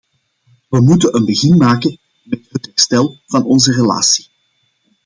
We moeten een begin maken met het herstel van onze relatie.